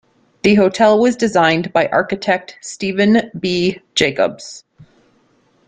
The Hotel was designed by architect Stephen B. Jacobs.